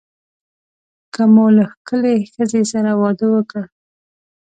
که مو له ښکلې ښځې سره واده وکړ.